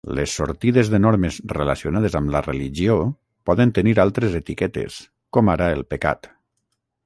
Les sortides de normes relacionades amb la religió poden tenir altres etiquetes, com ara el pecat.